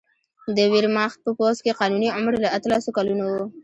د ویرماخت په پوځ کې قانوني عمر له اتلسو کلونو و